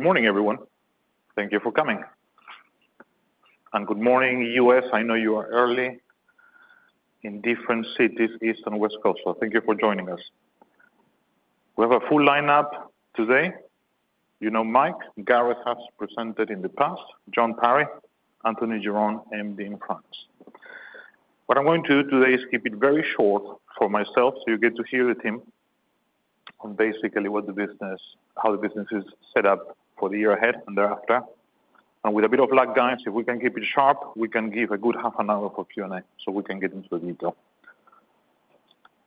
Good morning, everyone. Thank you for coming. And good morning, U.S., I know you are early in different cities, East and West Coast, so thank you for joining us. We have a full lineup today. You know Mike, Gareth has presented in the past, John Parry, Anthony Giron, and Dean Franks. What I'm going to do today is keep it very short for myself, so you get to hear the team on basically what the business, how the business is set up for the year ahead and thereafter. And with a bit of luck, guys, if we can keep it sharp, we can give a good half an hour for Q&A, so we can get into the detail.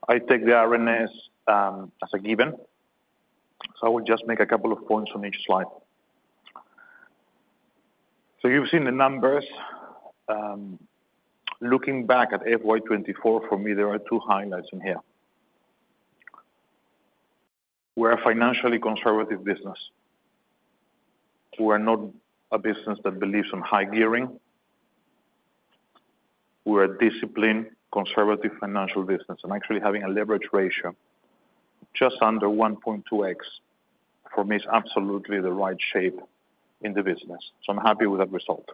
I take the RNS as a given, so I will just make a couple of points on each slide. So you've seen the numbers. Looking back at FY24, for me, there are 2 highlights in here. We're a financially conservative business. We're not a business that believes in high gearing. We're a disciplined, conservative, financial business, and actually having a leverage ratio just under 1.2x, for me, is absolutely the right shape in the business, so I'm happy with that result.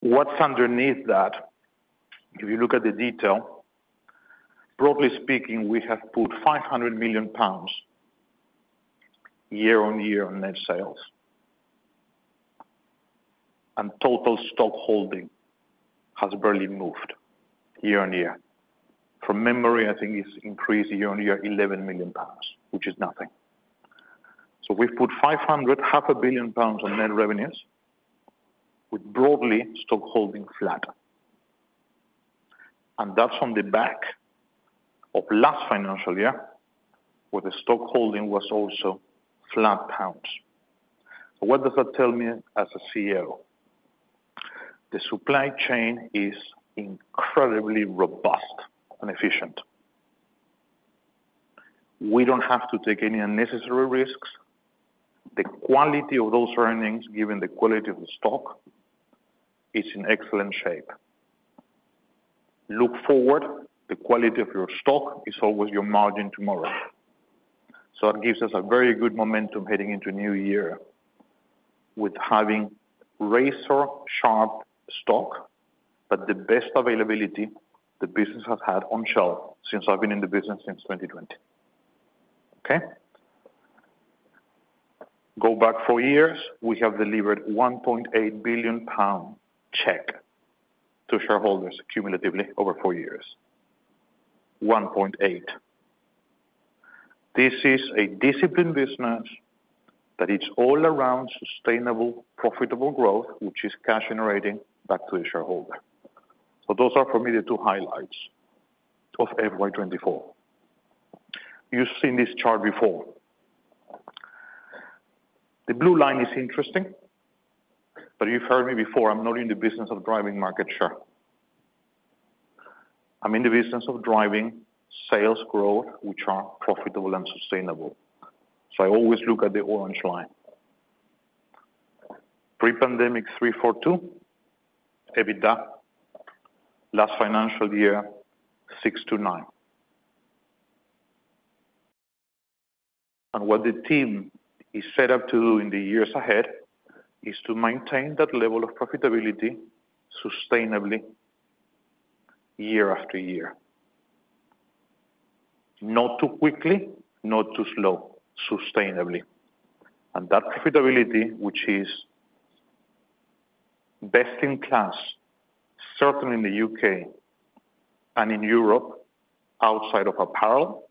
What's underneath that, if you look at the detail, broadly speaking, we have put 500 million pounds year-on-year on net sales. And total stock holding has barely moved year-on-year. From memory, I think it's increased year-on-year 11 million pounds, which is nothing. So we've put 500 million, half a billion pounds on net revenues, with broadly stock holding flat. And that's on the back of last financial year, where the stock holding was also flat pounds. So what does that tell me as a CEO? The supply chain is incredibly robust and efficient. We don't have to take any unnecessary risks. The quality of those earnings, given the quality of the stock, is in excellent shape. Look forward, the quality of your stock is always your margin tomorrow. So that gives us a very good momentum heading into a new year with having razor-sharp stock, but the best availability the business has had on shelf since I've been in the business, since 2020. Okay? Go back four years, we have delivered 1.8 billion pound check to shareholders cumulatively over four years, 1.8. This is a disciplined business that is all around sustainable, profitable growth, which is cash-generating back to the shareholder. So those are for me, the two highlights of FY24. You've seen this chart before. The blue line is interesting, but you've heard me before, I'm not in the business of driving market share. I'm in the business of driving sales growth, which are profitable and sustainable, so I always look at the orange line. Pre-pandemic, 342, EBITDA. Last financial year, 629. And what the team is set up to do in the years ahead is to maintain that level of profitability sustainably year after year. Not too quickly, not too slow, sustainably. And that profitability, which is best in class, certainly in the U.K. and in Europe, outside of apparel,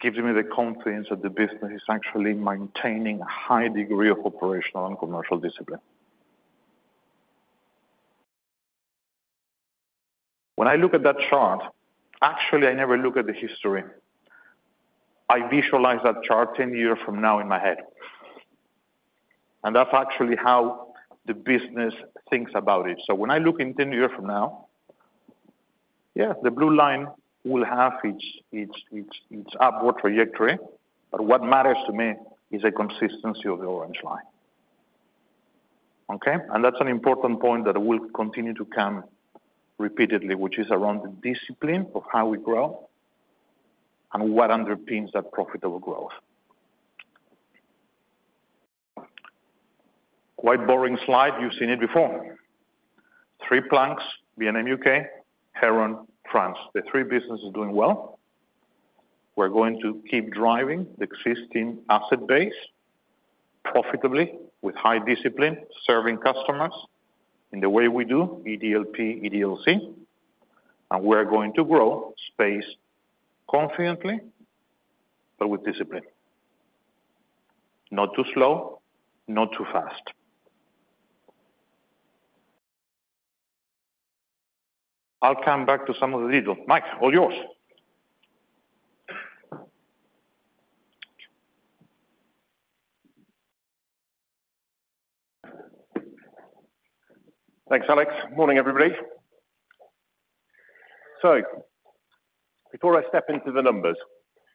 gives me the confidence that the business is actually maintaining a high degree of operational and commercial discipline. When I look at that chart, actually, I never look at the history. I visualize that chart 10 years from now in my head, and that's actually how the business thinks about it. So when I look 10 years from now, yeah, the blue line will have its upward trajectory, but what matters to me is the consistency of the orange line, okay? And that's an important point that I will continue to come back to repeatedly, which is around the discipline of how we grow and what underpins that profitable growth. Quite boring slide. You've seen it before. Three planks, B&M UK, Heron, France. The three businesses are doing well. We're going to keep driving the existing asset base profitably, with high discipline, serving customers in the way we do, EDLP, EDLC, and we're going to grow space confidently, but with discipline. Not too slow, not too fast. I'll come back to some of the details. Mike, all yours! Thanks, Alex. Morning, everybody. So before I step into the numbers,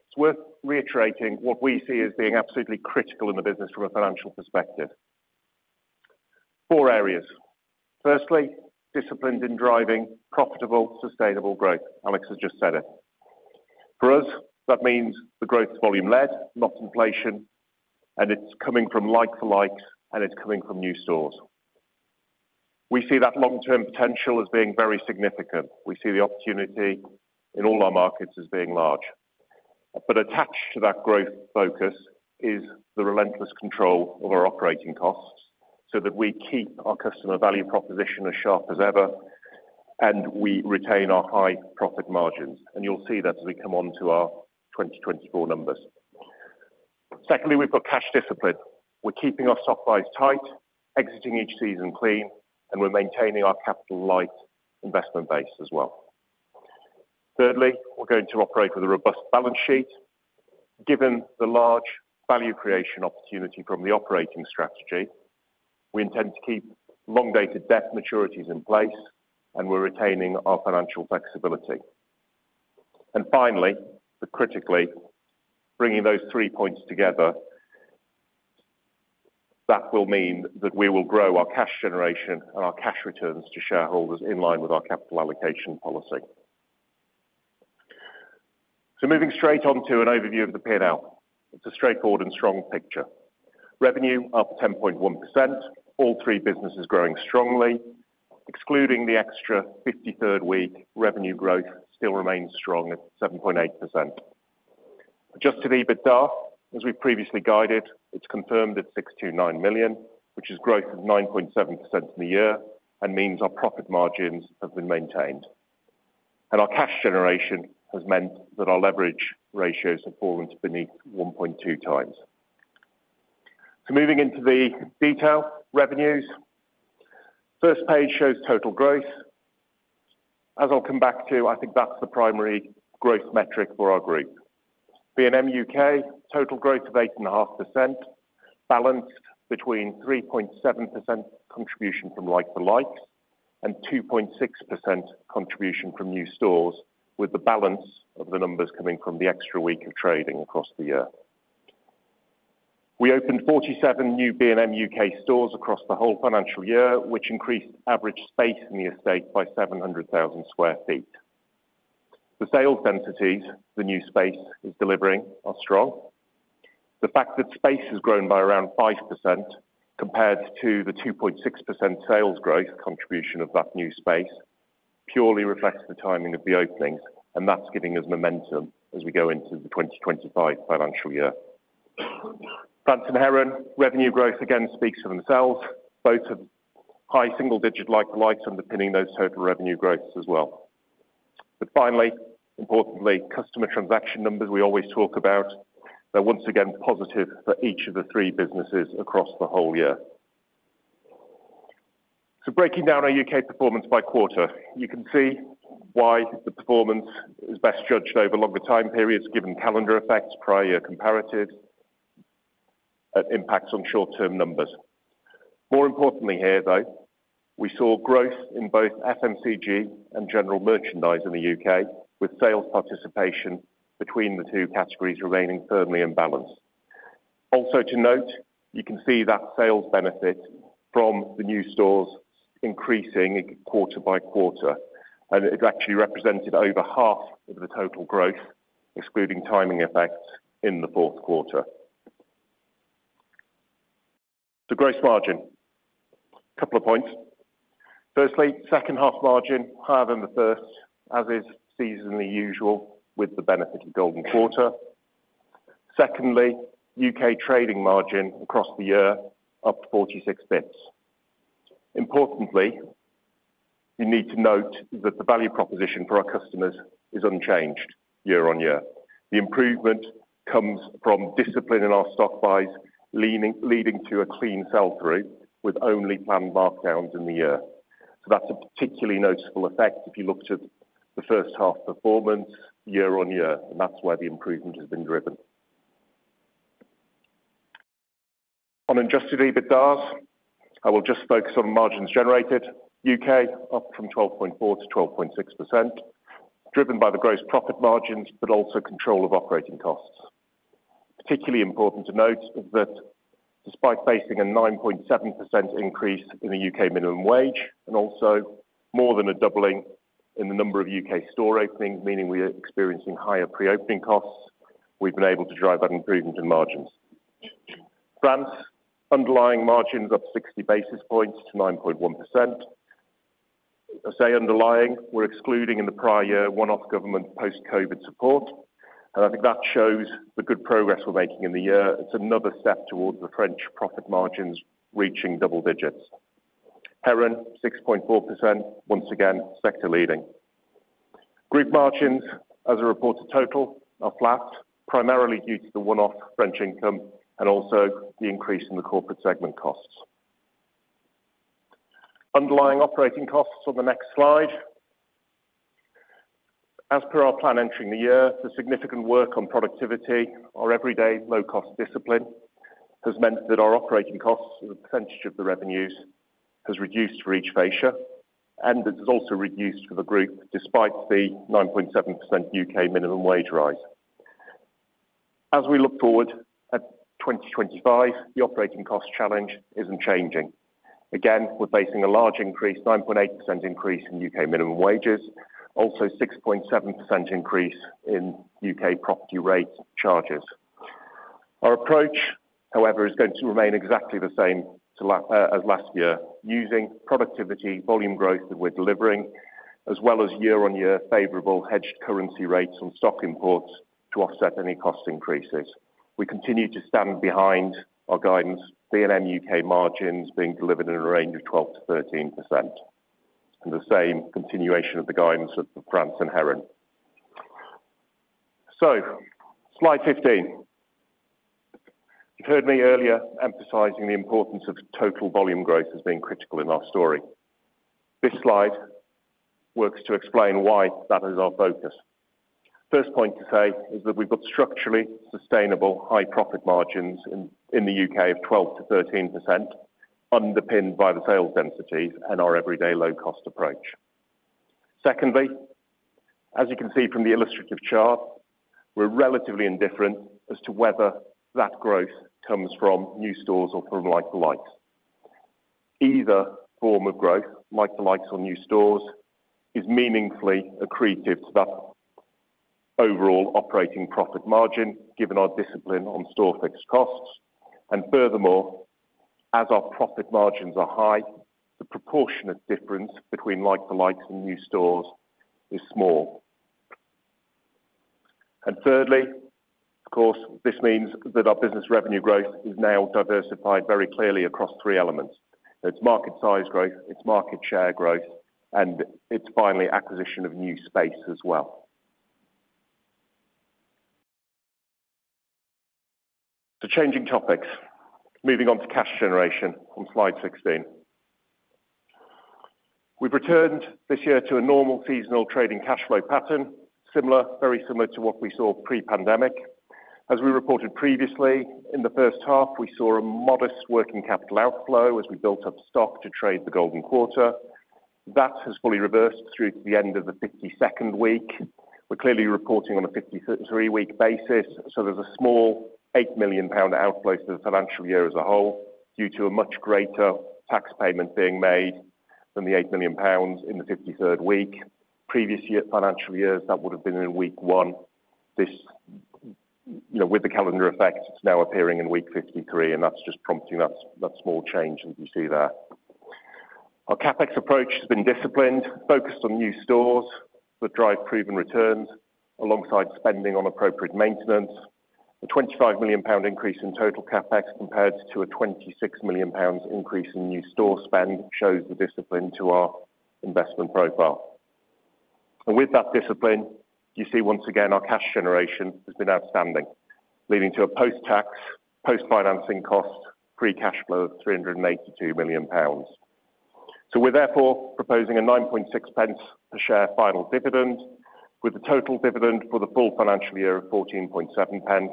it's worth reiterating what we see as being absolutely critical in the business from a financial perspective. Four areas. Firstly, disciplined in driving profitable, sustainable growth. Alex has just said it. For us, that means the growth is volume-led, not inflation, and it's coming from like-for-likes, and it's coming from new stores. We see that long-term potential as being very significant. We see the opportunity in all our markets as being large. But attached to that growth focus is the relentless control of our operating costs, so that we keep our customer value proposition as sharp as ever, and we retain our high profit margins, and you'll see that as we come on to our 2024 numbers. Secondly, we've got cash discipline. We're keeping our stock buys tight, exiting each season clean, and we're maintaining our capital light investment base as well. Thirdly, we're going to operate with a robust balance sheet. Given the large value creation opportunity from the operating strategy, we intend to keep long-dated debt maturities in place, and we're retaining our financial flexibility. And finally, but critically, bringing those three points together, that will mean that we will grow our cash generation and our cash returns to shareholders in line with our capital allocation policy. So moving straight on to an overview of the P&L. It's a straightforward and strong picture. Revenue up 10.1%. All three businesses growing strongly, excluding the extra fifty-third week, revenue growth still remains strong at 7.8%. Adjusted EBITDA, as we previously guided, it's confirmed at 629 million, which is growth of 9.7% in the year and means our profit margins have been maintained. Our cash generation has meant that our leverage ratios have fallen to beneath 1.2 times. Moving into the detail revenues. First page shows total growth. As I'll come back to, I think that's the primary growth metric for our group. B&M UK, total growth of 8.5%, balanced between 3.7% contribution from like for likes, and 2.6% contribution from new stores, with the balance of the numbers coming from the extra week of trading across the year. We opened 47 new B&M UK stores across the whole financial year, which increased average space in the estate by 700,000 sq ft. The sales densities the new space is delivering are strong. The fact that space has grown by around 5% compared to the 2.6% sales growth contribution of that new space, purely reflects the timing of the openings, and that's giving us momentum as we go into the 2025 financial year. France and Heron, revenue growth again speaks for themselves. Both have high single-digit like-for-likes underpinning those total revenue growths as well. But finally, importantly, customer transaction numbers we always talk about, are once again positive for each of the three businesses across the whole year. So breaking down our U.K. performance by quarter, you can see why the performance is best judged over longer time periods, given calendar effects, prior year comparatives, impacts on short-term numbers. More importantly here, though, we saw growth in both FMCG and general merchandise in the U.K., with sales participation between the two categories remaining firmly in balance. Also to note, you can see that sales benefit from the new stores increasing quarter by quarter, and it actually represented over half of the total growth, excluding timing effects in the fourth quarter. The gross margin, couple of points. Firstly, second half margin, higher than the first, as is seasonally usual, with the benefit of Golden Quarter. Secondly, U.K. trading margin across the year, up 46 basis points. Importantly, you need to note that the value proposition for our customers is unchanged year-over-year. The improvement comes from discipline in our stock buys, leading to a clean sell-through, with only planned markdowns in the year. So that's a particularly noticeable effect if you looked at the first half performance year on year, and that's where the improvement has been driven. On adjusted EBITDAs, I will just focus on margins generated, U.K., up from 12.4%-12.6%, driven by the gross profit margins, but also control of operating costs. Particularly important to note is that despite facing a 9.7% increase in the U.K. minimum wage, and also more than a doubling in the number of U.K. store openings, meaning we are experiencing higher pre-opening costs, we've been able to drive that improvement in margins. France, underlying margins up 60 basis points to 9.1%. I say underlying, we're excluding in the prior year, one-off government post-Covid support, and I think that shows the good progress we're making in the year. It's another step towards the French profit margins reaching double digits. Heron, 6.4%, once again, sector leading. Group margins, as a reported total, are flat, primarily due to the one-off French income and also the increase in the corporate segment costs. Underlying operating costs on the next slide. As per our plan entering the year, the significant work on productivity, our everyday low-cost discipline, has meant that our operating costs as a percentage of the revenues, has reduced for each fascia, and it has also reduced for the group, despite the 9.7% U.K. minimum wage rise. As we look forward at 2025, the operating cost challenge isn't changing. Again, we're facing a large increase, 9.8% increase in U.K. minimum wages, also 6.7% increase in U.K. property rate charges. Our approach, however, is going to remain exactly the same to as last year, using productivity volume growth that we're delivering, as well as year-on-year favorable hedged currency rates on stock imports to offset any cost increases. We continue to stand behind our guidance, B&M UK margins being delivered in a range of 12%-13%, and the same continuation of the guidance of France and Heron. So slide 15. You heard me earlier emphasizing the importance of total volume growth as being critical in our story. This slide works to explain why that is our focus. First point to say is that we've got structurally sustainable high profit margins in the U.K. of 12%-13%, underpinned by the sales density and our everyday low cost approach. Secondly, as you can see from the illustrative chart, we're relatively indifferent as to whether that growth comes from new stores or from like-for-likes. Either form of growth, like-for-likes or new stores, is meaningfully accretive to that overall operating profit margin, given our discipline on store fixed costs. And furthermore, as our profit margins are high, the proportionate difference between like-for-likes and new stores is small. And thirdly, of course, this means that our business revenue growth is now diversified very clearly across three elements. It's market size growth, it's market share growth, and it's finally acquisition of new space as well. So changing topics, moving on to cash generation on slide 16. We've returned this year to a normal seasonal trading cash flow pattern, similar, very similar to what we saw pre-pandemic. As we reported previously, in the first half, we saw a modest working capital outflow as we built up stock to trade the Golden Quarter. That has fully reversed through to the end of the 52nd week. We're clearly reporting on a 53-week basis, so there's a small 8 million pound outflow to the financial year as a whole, due to a much greater tax payment being made than the 8 million pounds in the 53rd week. Previous year, financial years, that would have been in week 1. This, you know, with the calendar effect, it's now appearing in week 53, and that's just prompting that, that small change, as you see there. Our CapEx approach has been disciplined, focused on new stores that drive proven returns, alongside spending on appropriate maintenance. A 25 million pound increase in total CapEx, compared to a 26 million pounds increase in new store spend, shows the discipline to our investment profile. With that discipline, you see once again, our cash generation has been outstanding, leading to a post-tax, post-financing cost, free cash flow of 382 million pounds. So we're therefore proposing a 0.096 per share final dividend, with a total dividend for the full financial year of 0.147.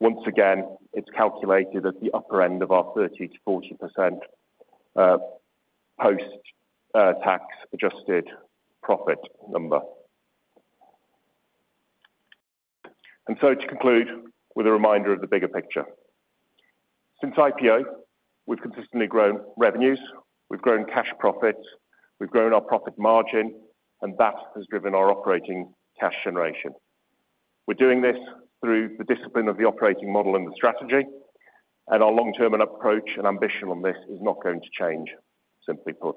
Once again, it's calculated at the upper end of our 30%-40% post-tax adjusted profit number. So to conclude, with a reminder of the bigger picture. Since IPO, we've consistently grown revenues, we've grown cash profits, we've grown our profit margin, and that has driven our operating cash generation. We're doing this through the discipline of the operating model and the strategy, and our long-term approach and ambition on this is not going to change, simply put.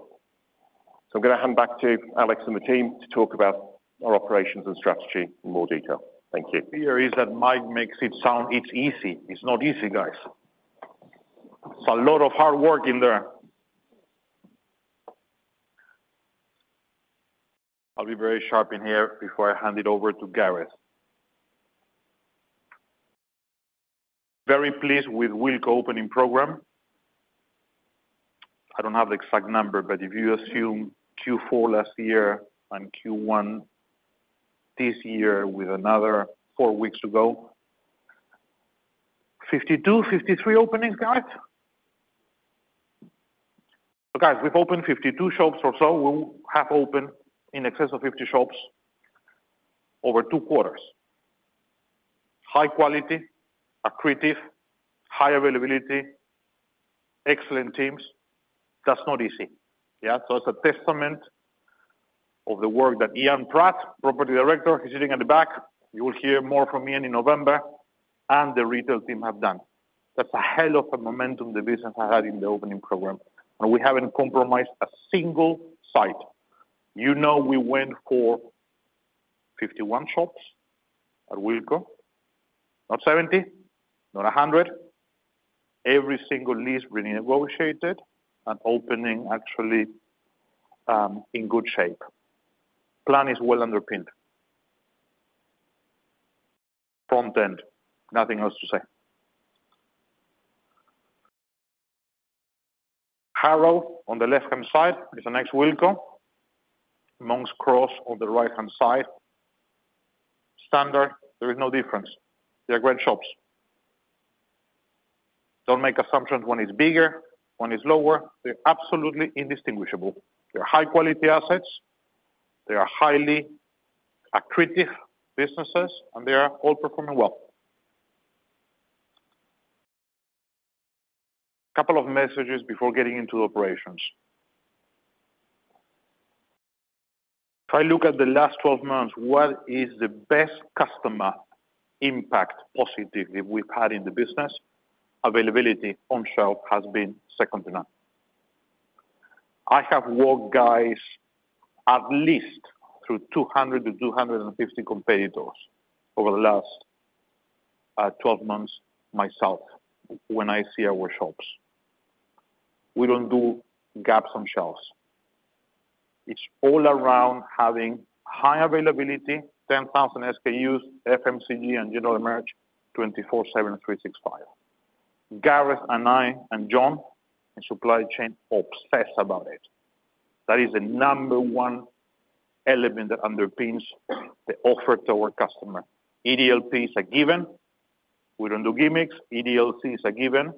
So I'm going to hand back to Alex and the team to talk about our operations and strategy in more detail. Thank you. Here is that Mike makes it sound, it's easy. It's not easy, guys. It's a lot of hard work in there. I'll be very sharp in here before I hand it over to Gareth. Very pleased with Wilko opening program. I don't have the exact number, but if you assume Q4 last year and Q1 this year with another 4 weeks to go, 52-53 openings, guys? So guys, we've opened 52 shops or so. We have opened in excess of 50 shops over 2 quarters. High quality, accretive, high availability, excellent teams. That's not easy. Yeah, so it's a testament of the work that Ian Pratt, Property Director, he's sitting at the back, you will hear more from Ian in November, and the retail team have done. That's a hell of a momentum the business has had in the opening program, and we haven't compromised a single site. You know, we went for 51 shops at Wilko, not 70, not 100. Every single lease renegotiated and opening actually, in good shape. Plan is well underpinned. Front end, nothing else to say. Harrow, on the left-hand side, is the next Wilko. Monks Cross on the right-hand side. Standard, there is no difference. They are great shops. Don't make assumptions, one is bigger, one is lower. They're absolutely indistinguishable. They're high quality assets, they are highly accretive businesses, and they are all performing well. Couple of messages before getting into operations. If I look at the last 12 months, what is the best customer impact positively we've had in the business? Availability on shelf has been second to none. I have walked guys at least through 200 to 250 competitors over the last 12 months myself when I see our shops. We don't do gaps on shelves. It's all around having high availability, 10,000 SKUs, FMCG and general merch, 24/7, 365. Gareth and I, and John, and supply chain obsess about it. That is the number 1 element that underpins the offer to our customer. EDLP is a given. We don't do gimmicks. EDLC is a given.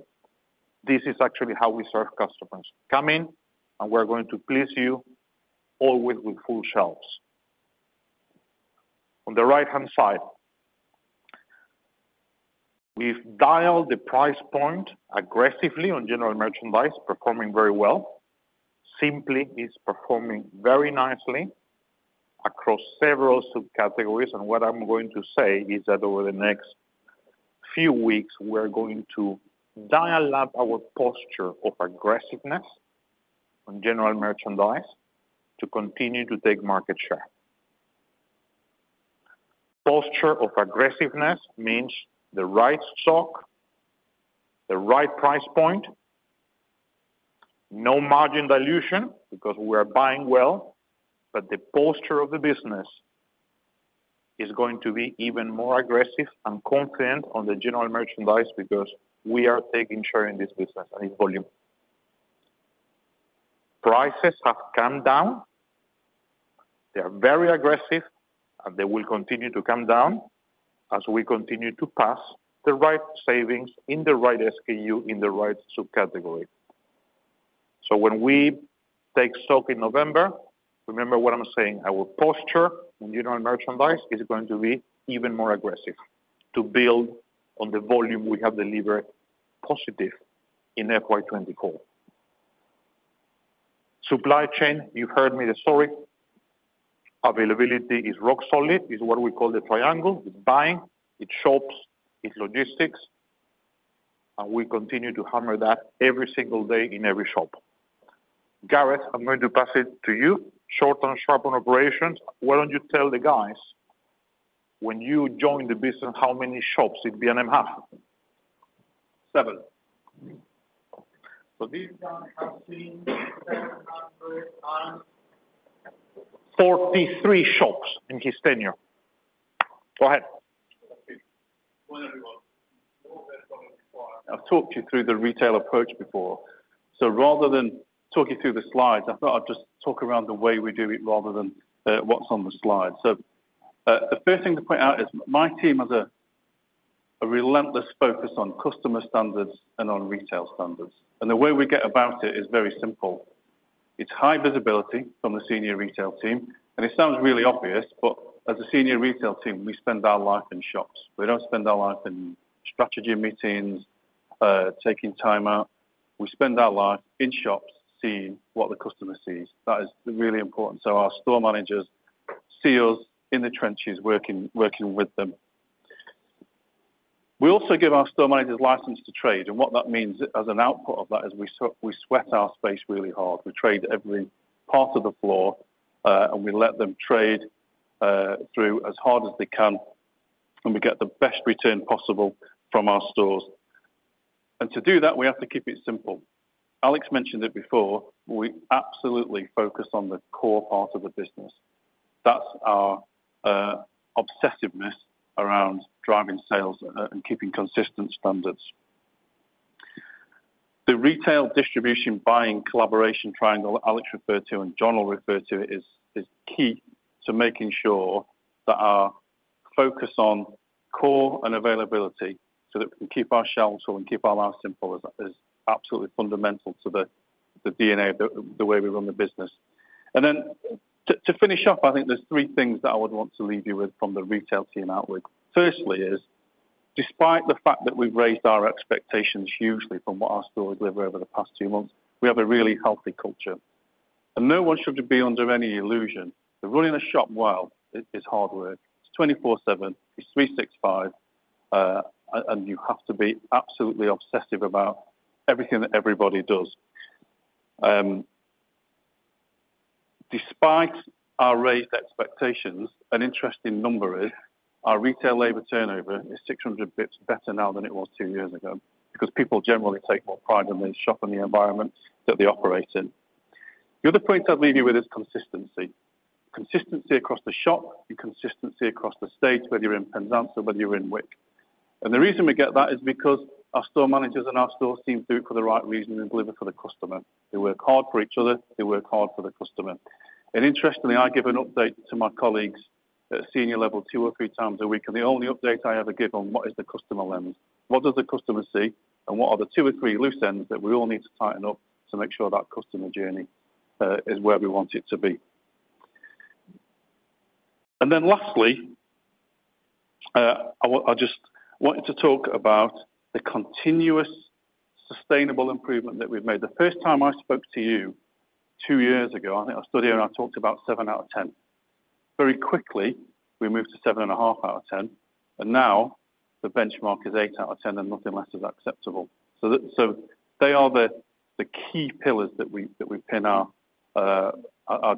This is actually how we serve customers. Come in, and we're going to please you always with full shelves. On the right-hand side, we've dialed the price point aggressively on general merchandise, performing very well. Simply is performing very nicely across several subcategories, and what I'm going to say is that over the next few weeks, we're going to dial up our posture of aggressiveness on general merchandise to continue to take market share. Posture of aggressiveness means the right stock, the right price point, no margin dilution, because we are buying well, but the posture of the business is going to be even more aggressive and confident on the general merchandise because we are taking share in this business and in volume. Prices have come down. They are very aggressive, and they will continue to come down as we continue to pass the right savings in the right SKU, in the right subcategory. So when we take stock in November, remember what I'm saying, our posture in general merchandise is going to be even more aggressive to build on the volume we have delivered positive in FY24. Supply chain, you heard me the story. Availability is rock solid. It's what we call the triangle. It's buying, it's shops, it's logistics, and we continue to hammer that every single day in every shop. Gareth, I'm going to pass it to you. Short and sharp on operations. Why don't you tell the guys when you joined the business, how many shops did B&M have? 7. So these guys have seen 743 shops in his tenure. Go ahead. Good morning, everyone. I've talked you through the retail approach before, so rather than talk you through the slides, I thought I'd just talk around the way we do it rather than, what's on the slide. So, the first thing to point out is my team has a relentless focus on customer standards and on retail standards, and the way we get about it is very simple. It's high visibility from the senior retail team, and it sounds really obvious, but as a senior retail team, we spend our life in shops. We don't spend our life in strategy meetings, taking time out. We spend our life in shops, seeing what the customer sees. That is really important. So our store managers see us in the trenches working, working with them. We also give our store managers license to trade, and what that means as an output of that is we sweat our space really hard. We trade every part of the floor, and we let them trade through as hard as they can, and we get the best return possible from our stores. And to do that, we have to keep it simple. Alex mentioned it before, we absolutely focus on the core part of the business. That's our obsessiveness around driving sales and keeping consistent standards. The retail distribution buying collaboration triangle Alex referred to and John will refer to is key to making sure that our focus on core and availability, so that we can keep our shelves so and keep our lives simple, is absolutely fundamental to the DNA, the way we run the business. And then to finish up, I think there's three things that I would want to leave you with from the retail team outward. Firstly is, despite the fact that we've raised our expectations hugely from what our stores deliver over the past two months, we have a really healthy culture. No one should be under any illusion that running a shop well is hard work. It's 24/7, it's 365, and you have to be absolutely obsessive about everything that everybody does. Despite our raised expectations, an interesting number is, our retail labor turnover is 600 basis points better now than it was two years ago, because people generally take more pride in the shop and the environment that they operate in. The other point I'd leave you with is consistency. Consistency across the shop and consistency across the estate, whether you're in Penzance or whether you're in Wick. The reason we get that is because our store managers and our store team do it for the right reason and deliver for the customer. They work hard for each other, they work hard for the customer. Interestingly, I give an update to my colleagues at senior level two or three times a week, and the only update I ever give on what is the customer lens, what does the customer see, and what are the two or three loose ends that we all need to tighten up to make sure that customer journey is where we want it to be? And then lastly, I want- I just wanted to talk about the continuous sustainable improvement that we've made. The first time I spoke to you two years ago, I think I was stood here, and I talked about seven out of ten. Very quickly, we moved to seven and a half out of ten, and now the benchmark is eight out of ten, and nothing less is acceptable. So they are the key pillars that we pin our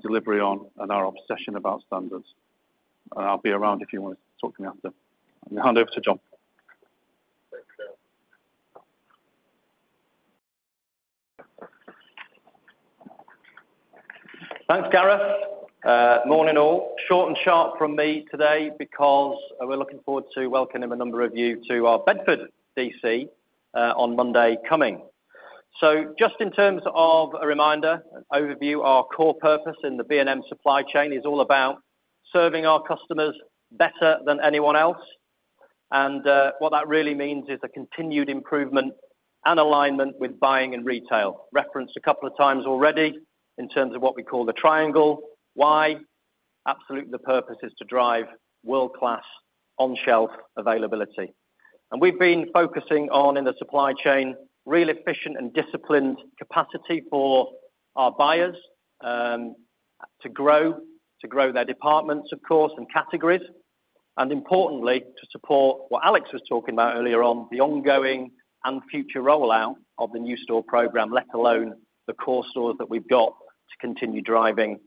delivery on and our obsession about standards. I'll be around if you want to talk to me after. I'm going to hand over to John. Thanks, Gareth. Morning, all. Short and sharp from me today because we're looking forward to welcoming a number of you to our Bedford DC on Monday coming. So just in terms of a reminder, overview, our core purpose in the B&M supply chain is all about serving our customers better than anyone else, and what that really means is a continued improvement and alignment with buying and retail. Referenced a couple of times already in terms of what we call the triangle. Why? Absolutely, the purpose is to drive world-class on-shelf availability. And we've been focusing on, in the supply chain, real efficient and disciplined capacity for our buyers, to grow, to grow their departments, of course, and categories, and importantly, to support what Alex was talking about earlier on, the ongoing and future rollout of the new store program, let alone the core stores that we've got to continue driving,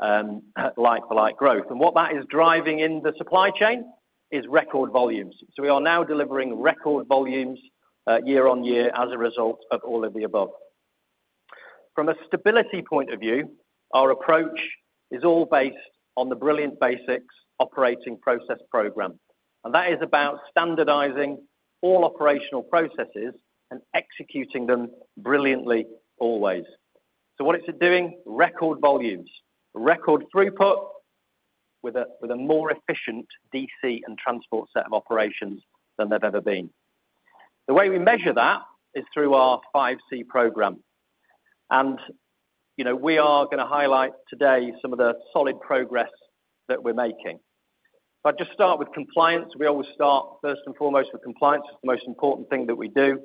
like-for-like growth. And what that is driving in the supply chain is record volumes. So we are now delivering record volumes, year-on-year as a result of all of the above. From a stability point of view, our approach is all based on the brilliant basics operating process program, and that is about standardizing all operational processes and executing them brilliantly, always. So what is it doing? Record volumes, record throughput, with a more efficient DC and transport set of operations than they've ever been. The way we measure that is through our five C program. And, you know, we are going to highlight today some of the solid progress that we're making. But just start with compliance. We always start, first and foremost, with compliance, it's the most important thing that we do.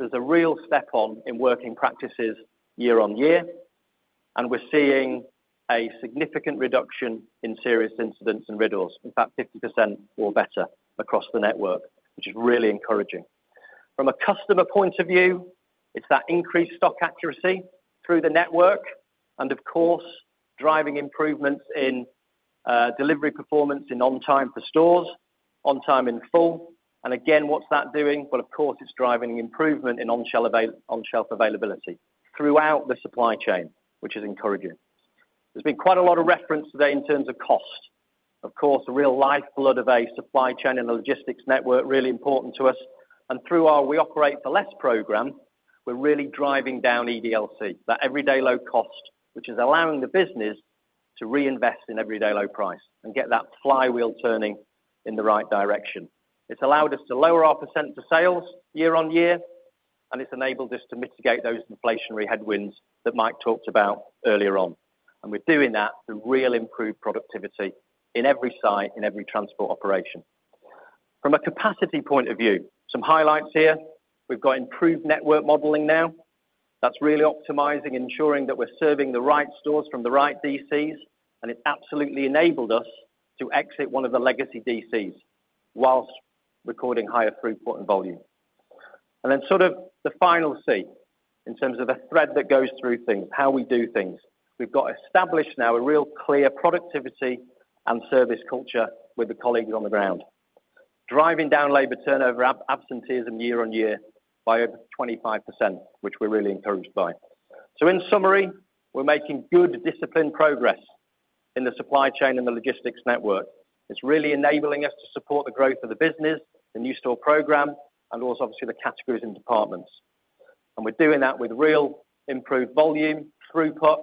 There's a real step on in working practices year on year, and we're seeing a significant reduction in serious incidents and RIDDOR, in fact, 50% or better across the network, which is really encouraging. From a customer point of view, it's that increased stock accuracy through the network, and of course, driving improvements in delivery performance in on time for stores, on time in full. And again, what's that doing? Well, of course, it's driving improvement in on shelf availability throughout the supply chain, which is encouraging. There's been quite a lot of reference today in terms of cost. Of course, a real lifeblood of a supply chain and the logistics network, really important to us. And through our We Operate For Less program, we're really driving down EDLC, that everyday low cost, which is allowing the business to reinvest in everyday low price and get that flywheel turning in the right direction. It's allowed us to lower our percent to sales year-on-year, and it's enabled us to mitigate those inflationary headwinds that Mike talked about earlier on. And we're doing that through real improved productivity in every site, in every transport operation. From a capacity point of view, some highlights here. We've got improved network modeling now. That's really optimizing and ensuring that we're serving the right stores from the right DCs, and it absolutely enabled us to exit one of the legacy DCs while recording higher throughput and volume. And then sort of the final C, in terms of the thread that goes through things, how we do things. We've got established now a real clear productivity and service culture with the colleagues on the ground, driving down labor turnover, absenteeism year-over-year by over 25%, which we're really encouraged by. So in summary, we're making good, disciplined progress in the supply chain and the logistics network. It's really enabling us to support the growth of the business, the new store program, and also obviously, the categories and departments. And we're doing that with real improved volume, throughput,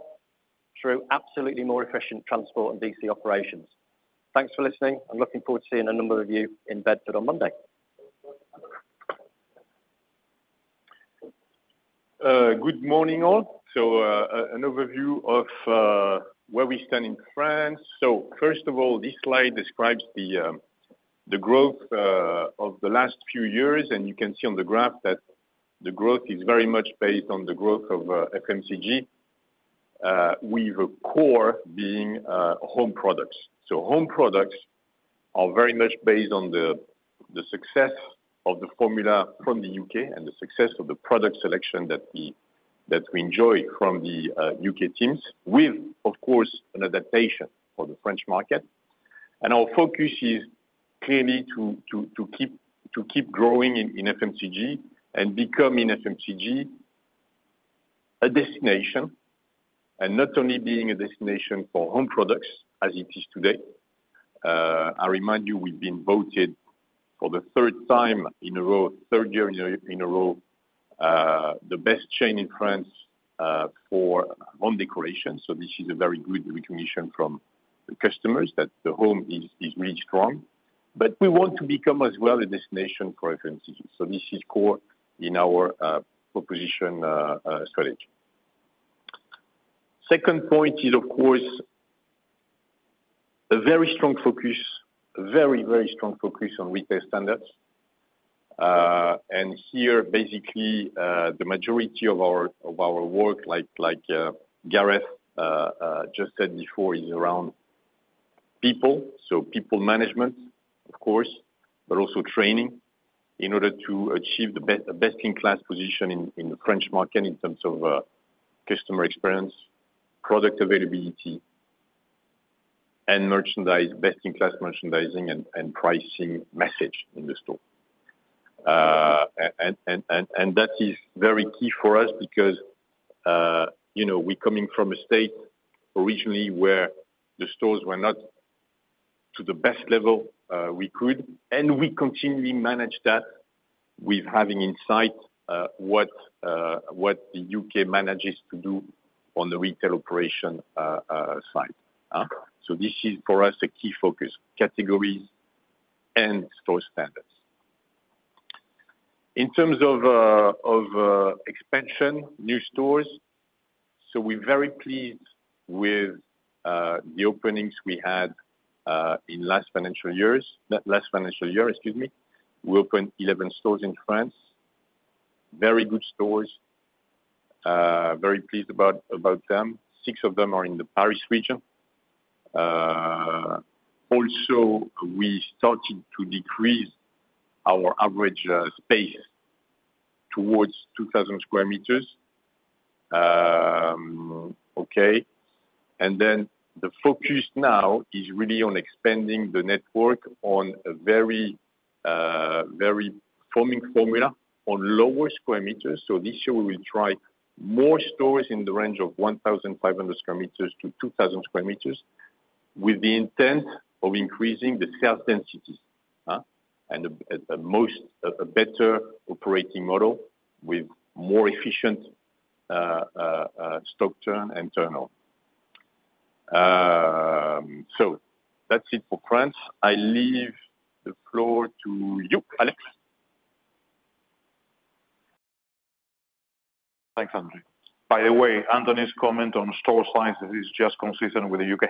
through absolutely more efficient transport and DC operations. Thanks for listening and looking forward to seeing a number of you in Bedford on Monday. Good morning, all. So, an overview of where we stand in France. So first of all, this slide describes the growth of the last few years, and you can see on the graph that the growth is very much based on the growth of FMCG, with the core being home products. So home products are very much based on the success of the formula from the U.K. and the success of the product selection that we enjoy from the U.K. teams, with, of course, an adaptation for the French market. And our focus is clearly to keep growing in FMCG and becoming FMCG a destination, and not only being a destination for home products as it is today. I remind you, we've been voted... for the third time in a row, third year in a, in a row, the best chain in France, for home decoration. So this is a very good recognition from the customers that the home is really strong. But we want to become as well a destination for references. So this is core in our, proposition, strategy. Second point is, of course, a very strong focus, a very, very strong focus on retail standards. And here, basically, the majority of our, of our work, like, like, Gareth, just said before, is around people, so people management, of course, but also training in order to achieve the best in class position in the French market in terms of, customer experience, product availability, and merchandise, best in class merchandising and pricing message in the store. That is very key for us because, you know, we're coming from a state originally where the stores were not to the best level we could, and we continually manage that with having in sight, what the U.K. manages to do on the retail operation, side. So this is, for us, a key focus, categories and store standards. In terms of, of, expansion, new stores, so we're very pleased with, the openings we had, in last financial years, last financial year, excuse me. We opened 11 stores in France. Very good stores, very pleased about them. 6 of them are in the Paris region. Also, we started to decrease our average, space towards 2,000 square meters. Okay, and then the focus now is really on expanding the network on a very proven formula on lower square meters. So this year we will try more stores in the range of 1,500-2,000 square meters, with the intent of increasing the sales density, and a better operating model with more efficient stock turnover. So that's it for France. I leave the floor to you, Alex. Thanks, Anthony. By the way, Anthony's comment on store sizes is just consistent with the U.K.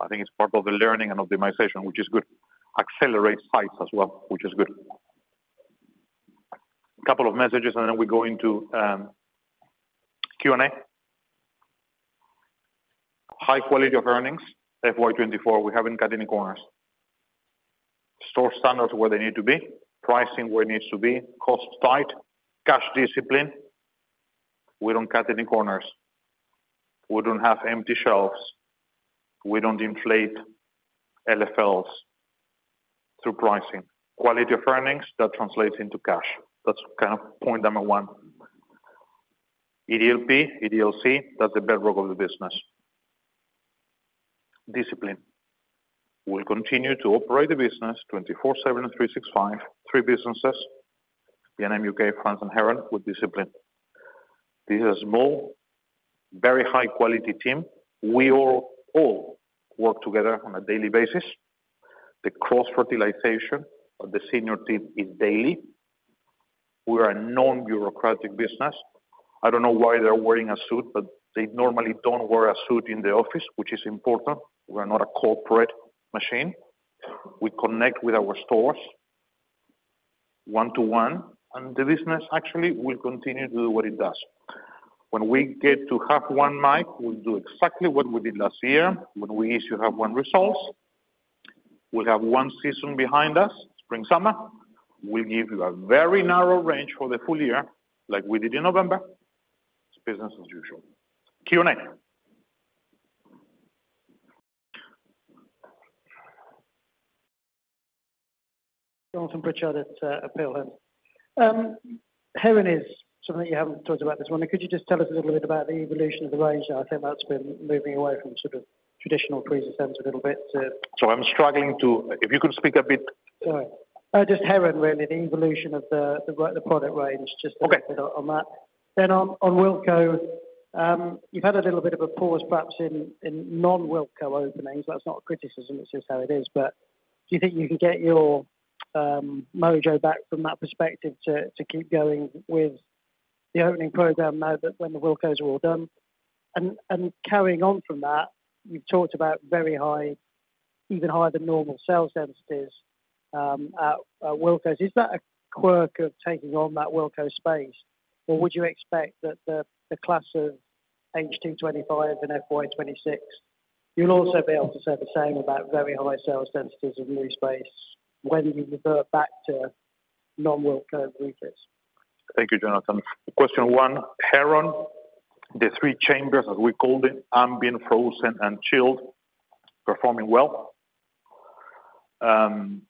I think it's part of the learning and optimization, which is good. Accelerate size as well, which is good. Couple of messages, and then we go into Q&A. High quality of earnings, FY24, we haven't cut any corners. Store standards where they need to be, pricing where it needs to be, cost tight, cash discipline. We don't cut any corners. We don't have empty shelves. We don't inflate LFLs through pricing. Quality of earnings, that translates into cash. That's kind of point number one. EDLP, EDLC, that's the bedrock of the business. Discipline. We'll continue to operate the business 24/7, 365, three businesses, B&M UK, France, and Heron, with discipline. This is a small, very high quality team. We all, all work together on a daily basis. The cross-fertilization of the senior team is daily. We are a non-bureaucratic business. I don't know why they're wearing a suit, but they normally don't wear a suit in the office, which is important. We are not a corporate machine. We connect with our stores one-to-one, and the business actually will continue to do what it does. When we get to 1:30 P.M., Mike, we'll do exactly what we did last year when we used to have one results. We'll have one season behind us, spring/summer. We'll give you a very narrow range for the full year, like we did in November. It's business as usual. Q&A? Jonathan Pritchard at Peel Hunt. Heron is something you haven't talked about this morning. Could you just tell us a little bit about the evolution of the range? I think that's been moving away from sort of traditional freezer center a little bit to- Sorry, I'm struggling to... If you could speak a bit- Sorry. Just Heron, really, the evolution of the product range, just- Okay... on that. Then on Wilko, you've had a little bit of a pause, perhaps in non-Wilko openings. That's not a criticism, it's just how it is. But do you think you can get your mojo back from that perspective to keep going with the opening program now that when the Wilkos are all done? And carrying on from that, you've talked about very high, even higher than normal sales densities at Wilkos. Is that a quirk of taking on that Wilko space, or would you expect that the class of H2 25 and FY26, you'll also be able to say the same about very high sales densities of new space when you revert back to non-Wilko groups? Thank you, Jonathan. Question one, Heron, the three chambers, as we called it, ambient, frozen, and chilled, performing well. Heron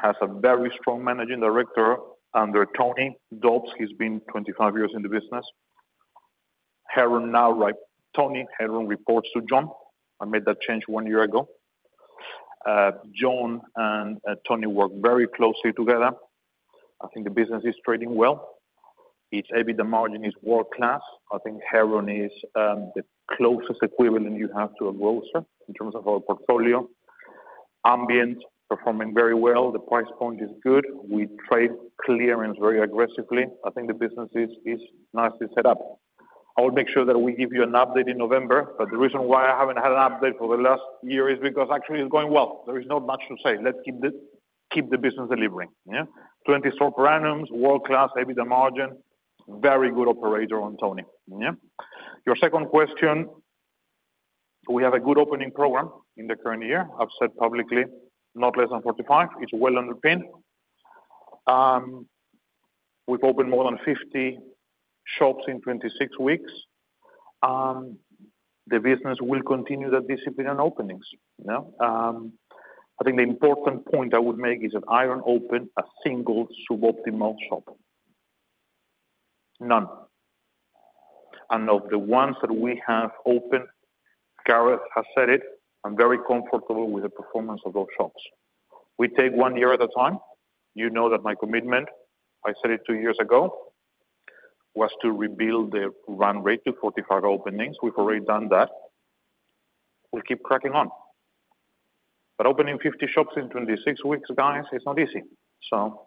has a very strong managing director, Tony Dobbs. He's been 25 years in the business. Heron now, right? Tony Dobbs reports to John Parry. I made that change one year ago. John and Tony work very closely together. I think the business is trading well. Its EBITDA margin is world-class. I think Heron is the closest equivalent you have to a grocer in terms of our portfolio. Ambient, performing very well. The price point is good. We trade clearance very aggressively. I think the business is nicely set up. I will make sure that we give you an update in November, but the reason why I haven't had an update for the last year is because actually it's going well. There is not much to say. Let's keep the business delivering, yeah? 20 stores per annum, world-class EBITDA margin, very good operator on Tony. Yeah. Your second question, we have a good opening program in the current year. I've said publicly, not less than 45, it's well underpinned. We've opened more than 50 shops in 26 weeks. The business will continue the discipline on openings, you know? I think the important point I would make is that I haven't opened a single suboptimal shop. None. And of the ones that we have opened, Gareth has said it, I'm very comfortable with the performance of those shops. We take one year at a time. You know that my commitment, I said it two years ago, was to rebuild the run rate to 45 openings. We've already done that. We'll keep cracking on. But opening 50 shops in 26 weeks, guys, it's not easy. So,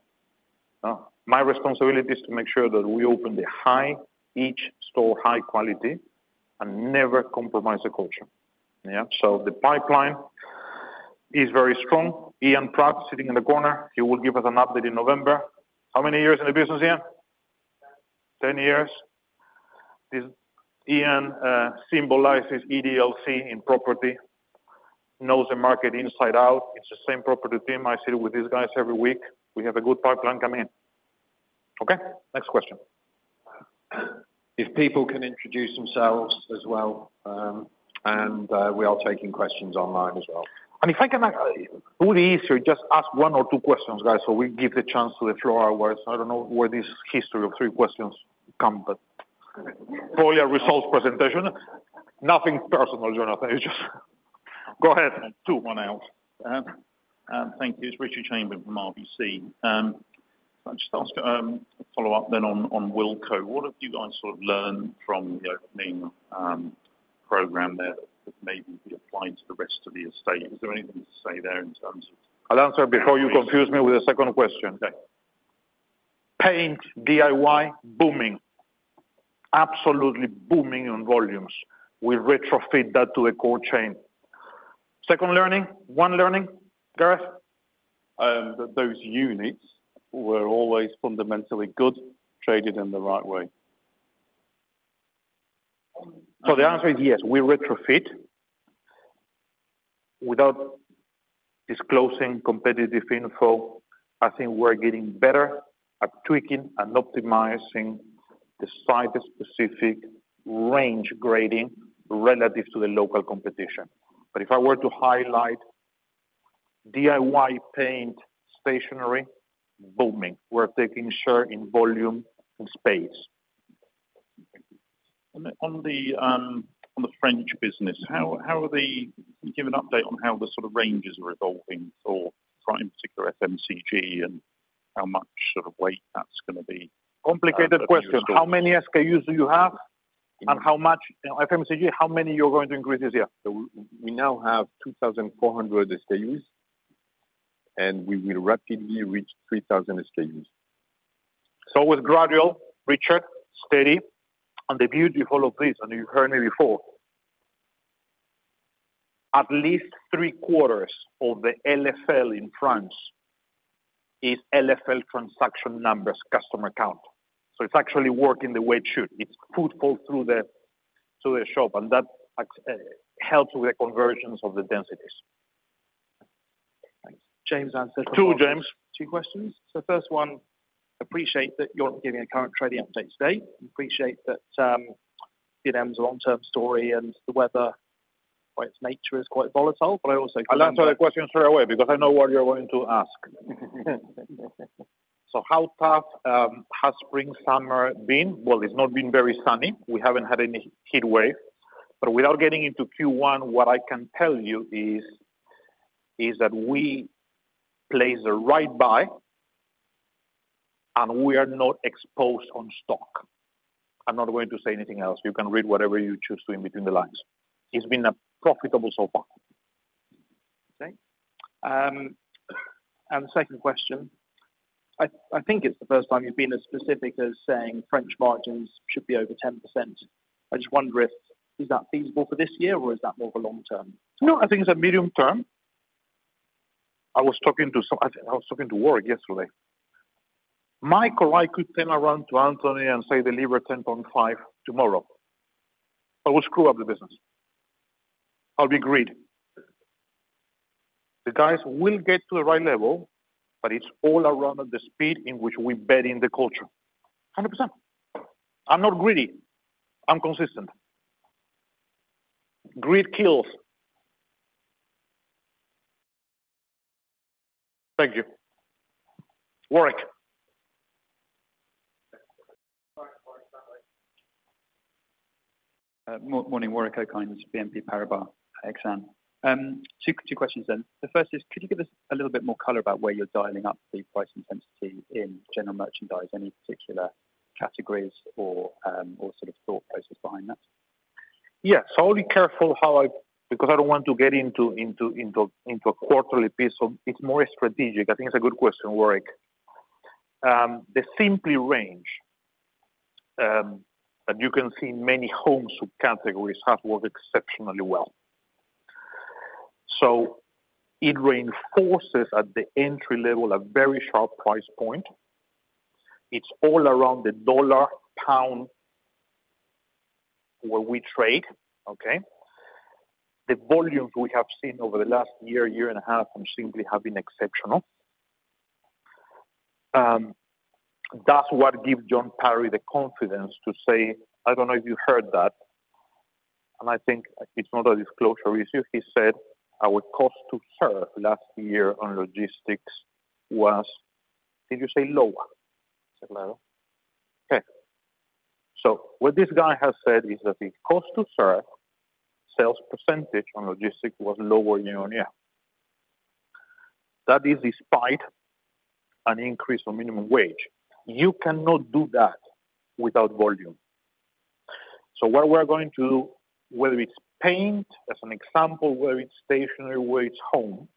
my responsibility is to make sure that we open the high, each store high quality and never compromise the culture. Yeah, so the pipeline is very strong. Ian Pratt, sitting in the corner, he will give us an update in November. How many years in the business, Ian? 10 years. This, Ian, symbolizes EDLC in property, knows the market inside out. It's the same property team. I sit with these guys every week. We have a good pipeline coming in. Okay, next question. If people can introduce themselves as well, and we are taking questions online as well. If I can ask, would be easier, just ask one or two questions, guys, so we give the chance to throw our words. I don't know where this history of three questions come, but for your results presentation, nothing personal, Jonathan. It's just... Go ahead, two. One out. Thank you. It's Richard Chamberlain from RBC. Can I just ask a follow-up then on Wilko? What have you guys sort of learned from the opening program there that maybe be applied to the rest of the estate? Is there anything to say there in terms of- I'll answer before you confuse me with a second question. Okay. Paint, DIY, booming. Absolutely booming on volumes. We retrofit that to a core chain. Second learning, one learning, Gareth? Those units were always fundamentally good, traded in the right way. So the answer is yes, we retrofit. Without disclosing competitive info, I think we're getting better at tweaking and optimizing the site-specific range grading relative to the local competition. But if I were to highlight DIY, paint, stationery booming, we're taking share in volume and space. Thank you. On the French business, how are the... Can you give an update on how the sort of ranges are evolving for, in particular, FMCG and how much sort of weight that's gonna be? Complicated question. How many SKUs do you have? And how much, FMCG, how many you're going to increase this year? So we now have 2,400 SKUs, and we will rapidly reach 3,000 SKUs. So, with gradual, Richard, steady, and the beauty, follow, please, and you've heard me before. At least three quarters of the LFL in France is LFL transaction numbers, customer count. So it's actually working the way it should. It's footfall through to the shop, and that helps with the conversions of the densities. Thanks. James Anstead. Two, James. Two questions. So first one, appreciate that you're not giving a current trading update today. Appreciate that, B&M's a long-term story, and the weather, by its nature, is quite volatile, but I also- I'll answer the question straight away because I know what you're going to ask. So how tough has spring, summer been? Well, it's not been very sunny. We haven't had any heat wave. But without getting into Q1, what I can tell you is that we placed our buys right, and we are not exposed on stock. I'm not going to say anything else. You can read whatever you choose to in between the lines. It's been profitable so far. Okay. The second question, I think it's the first time you've been as specific as saying French margins should be over 10%. I just wonder if that is feasible for this year, or is that more of a long-term? No, I think it's a medium term. I was talking to Warwick yesterday. Mike or I could turn around to Anthony and say, deliver 10.5 tomorrow. I will screw up the business. I'll be greedy. The guys will get to the right level, but it's all around at the speed in which we embed in the culture. 100%. I'm not greedy, I'm consistent. Greed kills. Thank you. Warwick? Morning, Warwick Okines, BNP Paribas Exane. Two questions then. The first is, could you give us a little bit more color about where you're dialing up the price intensity in general merchandise, any particular categories or sort of thought process behind that? Yeah, so I'll be careful because I don't want to get into a quarterly piece, so it's more strategic. I think it's a good question, Warwick. The Simply range, and you can see many of our categories have worked exceptionally well. So it reinforces at the entry level a very sharp price point. It's all around the dollar pound where we trade, okay? The volumes we have seen over the last year and a half from Simply have been exceptional. That's what gives John Parry the confidence to say, I don't know if you heard that, and I think it's not a disclosure issue. He said, our cost to serve last year on logistics was... Did you say lower? I said lower. Okay. So what this guy has said is that the cost to serve sales percentage on logistics was lower year-on-year. That is despite an increase of minimum wage. You cannot do that without volume. So where we're going to, whether it's paint, as an example, whether it's stationery, whether it's home,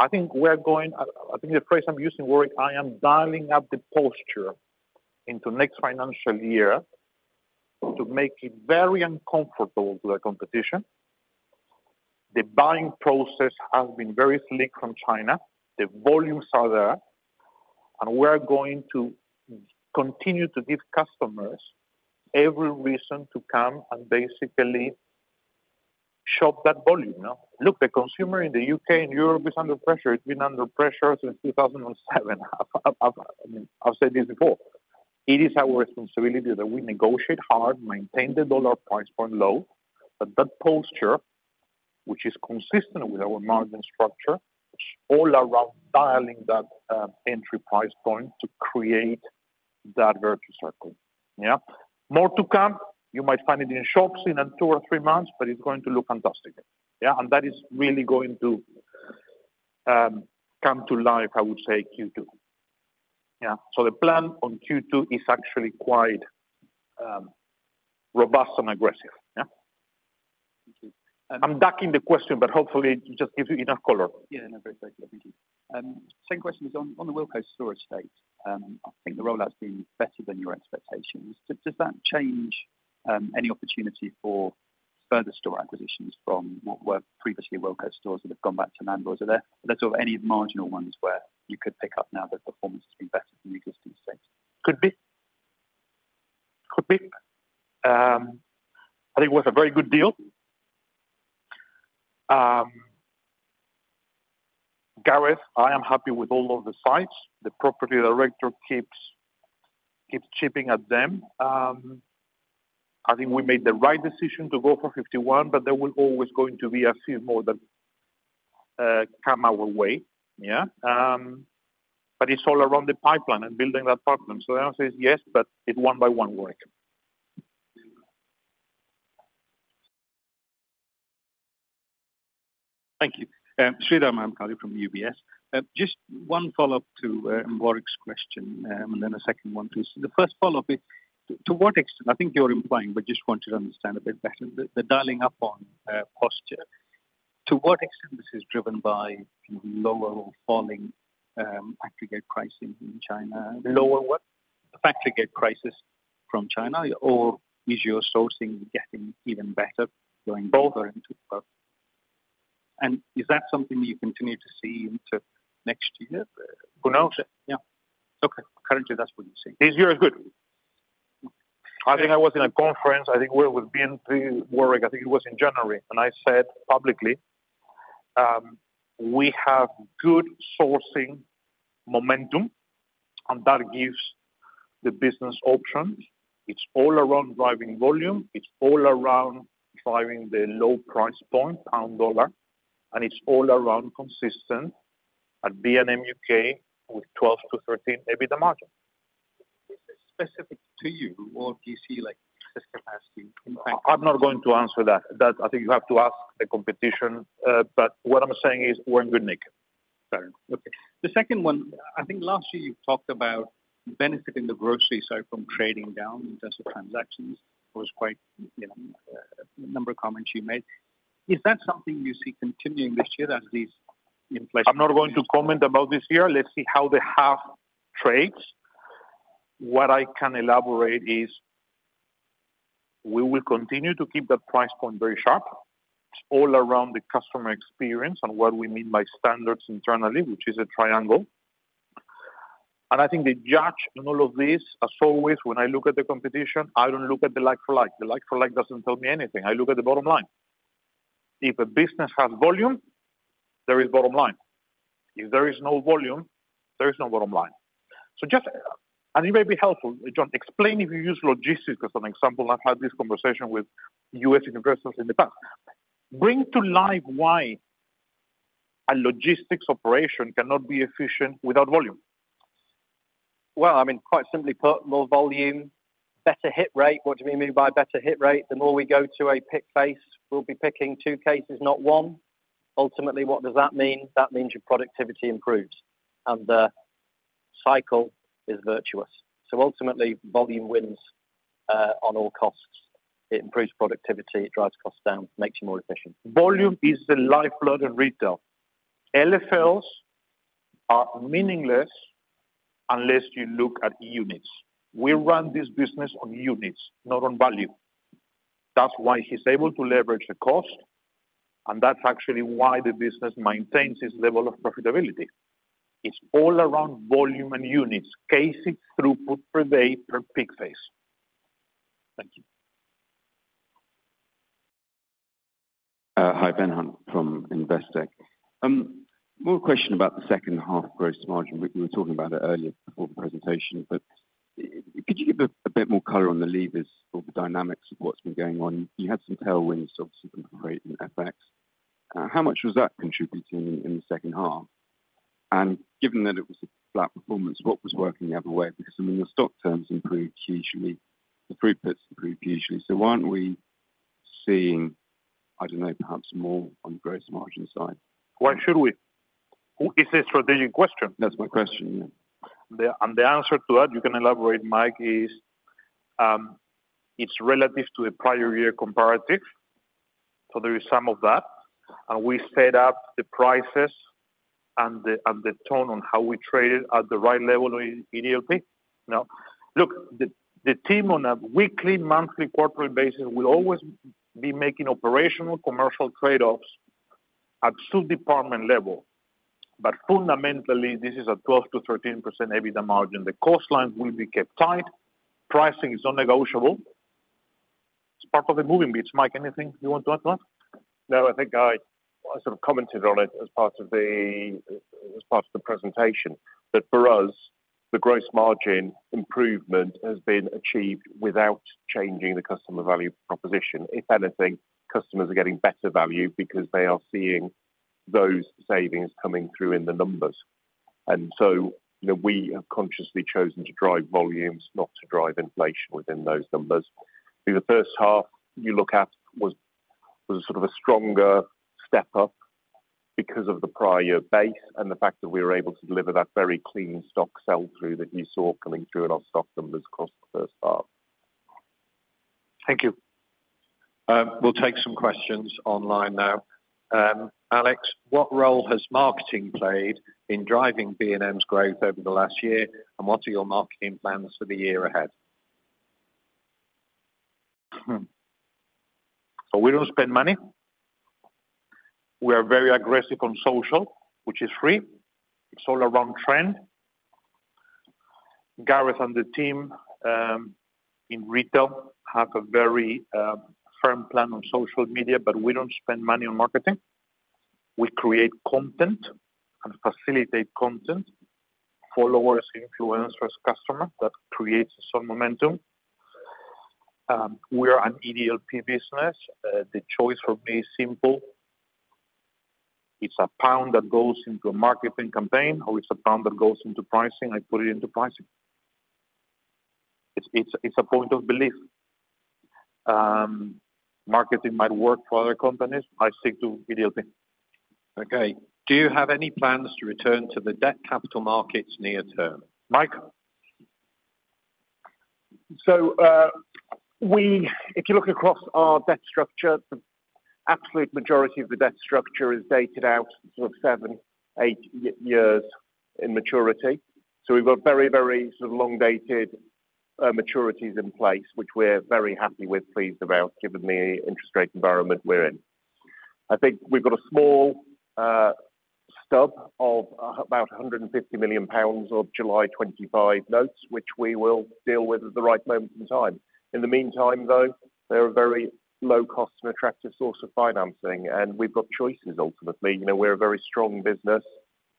I think we're going... I think the phrase I'm using, Warwick, I am dialing up the pressure into next financial year to make it very uncomfortable to the competition. The buying process has been very slick from China. The volumes are there, and we're going to continue to give customers every reason to come and basically shop that volume, now. Look, the consumer in the U.K. and Europe is under pressure. It's been under pressure since 2007. I've, I mean, I've said this before. It is our responsibility that we negotiate hard, maintain the dollar price point low, but that posture, which is consistent with our margin structure, is all around dialing that entry price point to create that virtuous circle. Yeah. More to come. You might find it in shops in two or three months, but it's going to look fantastic. Yeah, and that is really going to come to life, I would say, Q2. Yeah. So the plan on Q2 is actually quite robust and aggressive, yeah? Thank you. I'm ducking the question, but hopefully it just gives you enough color. Yeah, no, very thank you. Second question is on the Wilko store estate. I think the rollout's been better than your expectations. Does that change any opportunity for further store acquisitions from what were previously Wilko stores that have gone back to landlords? Are there sort of any marginal ones where you could pick up now that performance has been better than the existing estate? Could be. Could be. I think it was a very good deal. Gareth, I am happy with all of the sites. The property director keeps chipping at them. I think we made the right decision to go for 51, but there will always going to be a few more that come our way, yeah? But it's all around the pipeline and building that partner. So the answer is yes, but it's one by one, Warwick. Thank you. Sreedhar Mahamkali from UBS. Just one follow-up to, Warwick's question, and then a second one, please. The first follow-up is, to what extent, I think you're implying, but just want you to understand a bit better, the dialing up on, posture, to what extent this is driven by lower or falling, aggregate prices in China? Lower what? The factory gate prices from China, or is your sourcing getting even better going forward? Both. Is that something you continue to see into next year? Who knows? Yeah. Okay. Currently, that's what you're seeing. It's very good. I think I was in a conference, I think where it was BNP, Warwick, I think it was in January, and I said publicly, we have good sourcing momentum, and that gives the business options. It's all around driving volume. It's all around driving the low price point, pound, dollar, and it's all around consistent at B&M UK with 12%-13% EBITDA margin. Is this specific to you, or do you see, like, excess capacity in China? I, I'm not going to answer that. That, I think you have to ask the competition, but what I'm saying is we're in good nick. Fair enough. Okay. The second one, I think last year you talked about benefiting the grocery side from trading down in terms of transactions. It was quite, you know, a number of comments you made. Is that something you see continuing this year as these inflation- I'm not going to comment about this year. Let's see how the half trades. What I can elaborate is, we will continue to keep that price point very sharp. It's all around the customer experience and what we mean by standards internally, which is a triangle. And I think the judge in all of this, as always, when I look at the competition, I don't look at the like-for-like. The like-for-like doesn't tell me anything. I look at the bottom line. If a business has volume, there is bottom line. If there is no volume, there is no bottom line. So just... And it may be helpful, John, explain if you use logistics as an example. I've had this conversation with U.S. investors in the past.... Bring to life why a logistics operation cannot be efficient without volume. Well, I mean, quite simply put, more volume, better hit rate. What do we mean by better hit rate? The more we go to a pick face, we'll be picking two cases, not one. Ultimately, what does that mean? That means your productivity improves, and the cycle is virtuous. So ultimately, volume wins on all costs. It improves productivity, it drives costs down, makes you more efficient. Volume is the lifeblood of retail. LFLs are meaningless unless you look at units. We run this business on units, not on value. That's why he's able to leverage the cost, and that's actually why the business maintains its level of profitability. It's all around volume and units, casing throughput per day, per pick face. Thank you. Hi, Ben Hunt from Investec. One more question about the second half gross margin. We were talking about it earlier before the presentation, but could you give a bit more color on the levers or the dynamics of what's been going on? You had some tailwinds, obviously, from freight and FX. How much was that contributing in the second half? And given that it was a flat performance, what was working the other way? Because, I mean, the stock turns improved hugely. The freight costs improved hugely. So why aren't we seeing, I don't know, perhaps more on gross margin side? Why should we? It's a strategic question. That's my question, yeah. And the answer to that, you can elaborate, Mike, is, it's relative to the prior year comparative, so there is some of that. And we set up the prices and the tone on how we trade it at the right level in EDLP. Now, look, the team on a weekly, monthly, quarterly basis will always be making operational, commercial trade-offs at store department level. But fundamentally, this is a 12%-13% EBITDA margin. The cost lines will be kept tight, pricing is non-negotiable. It's part of the moving bits. Mike, anything you want to add to that? No, I think I sort of commented on it as part of the presentation. But for us, the gross margin improvement has been achieved without changing the customer value proposition. If anything, customers are getting better value because they are seeing those savings coming through in the numbers. And so, you know, we have consciously chosen to drive volumes, not to drive inflation within those numbers. In the first half, you look at was sort of a stronger step up because of the prior base and the fact that we were able to deliver that very clean stock sell-through that you saw coming through in our stock numbers across the first half. Thank you. We'll take some questions online now. Alex, what role has marketing played in driving B&M's growth over the last year, and what are your marketing plans for the year ahead? Hmm. So we don't spend money. We are very aggressive on social, which is free. It's all around trend. Gareth and the team in retail have a very firm plan on social media, but we don't spend money on marketing. We create content and facilitate content, followers, influencers, customer, that creates some momentum. We are an EDLP business. The choice for me is simple. It's a pound that goes into a marketing campaign, or it's a pound that goes into pricing. I put it into pricing. It's a point of belief. Marketing might work for other companies. I stick to EDLP. Okay. Do you have any plans to return to the debt capital markets near term? Mike? So, if you look across our debt structure, the absolute majority of the debt structure is dated out sort of 7-8 years in maturity. So we've got very, very sort of long-dated maturities in place, which we're very happy with, pleased about, given the interest rate environment we're in. I think we've got a small stub of about 150 million pounds of July 2025 notes, which we will deal with at the right moment in time. In the meantime, though, they're a very low cost and attractive source of financing, and we've got choices, ultimately. You know, we're a very strong business,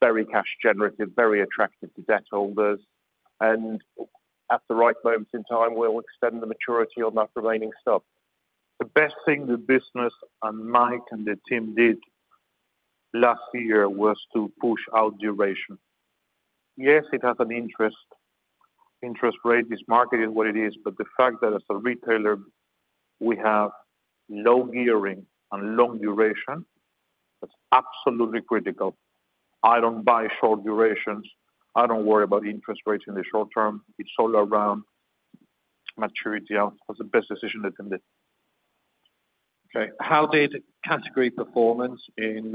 very cash generative, very attractive to debt holders, and at the right moment in time, we'll extend the maturity on that remaining stub. The best thing the business and Mike and the team did last year was to push out duration. Yes, it has an interest. Interest rate, this market is what it is, but the fact that as a retailer, we have low gearing and long duration, that's absolutely critical. I don't buy short durations. I don't worry about interest rates in the short term. It's all around maturity. It was the best decision they can do. Okay. How did category performance in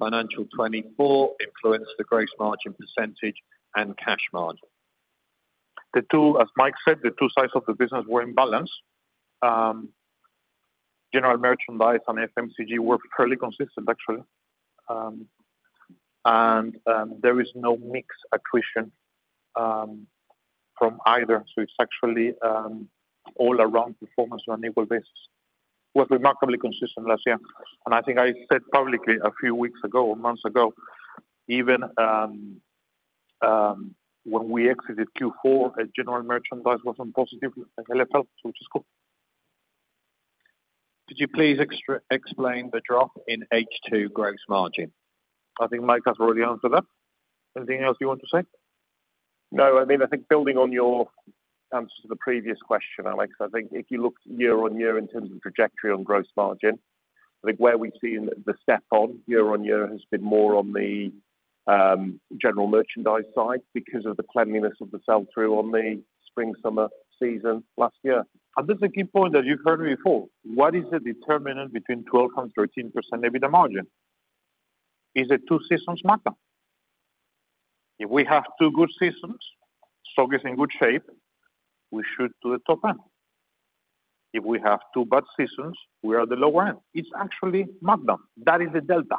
fiscal 24 influence the gross margin percentage and cash margin? The two, as Mike said, the two sides of the business were in balance. General Merchandise and FMCG were fairly consistent, actually. And there is no mix accretion from either. So it's actually all around performance on an equal basis. Was remarkably consistent last year, and I think I said publicly a few weeks ago or months ago, even, when we exited Q4, a General Merchandise was on positive LFL, which is cool. Could you please explain the drop in H2 gross margin? I think Mike has already answered that. Anything else you want to say? No, I mean, I think building on your answer to the previous question, Alex, I think if you look year-on-year in terms of trajectory on gross margin, I think where we've seen the step on year-on-year has been more on the, general merchandise side because of the cleanliness of the sell through on the spring/summer season last year. And that's the key point that you've heard before. What is the determinant between 12 and 13% EBITDA margin? Is it two seasons markdown? If we have two good seasons, stock is in good shape, we should do the top end. If we have two bad seasons, we are at the lower end. It's actually markdown. That is the delta.